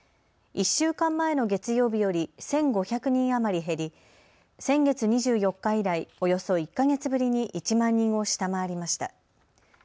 １週間前の月曜日より１５００人余り減り先月２４日以来、およそ１か月ぶりに１万人を下回りました。